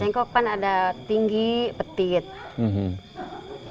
cengkok kan ada tinggi peti gitu